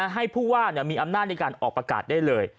ให้ผู้ว่ามีอำนาจในการออกประกาศได้เลย